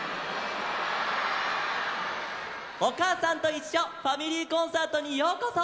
「おかあさんといっしょファミリーコンサート」にようこそ！